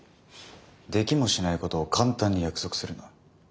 できもしないことを簡単に約束するな。